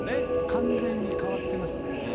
完全にかわってますね。